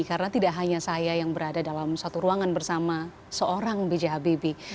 karena tidak hanya saya yang berada dalam suatu ruangan bersama seorang b j habibi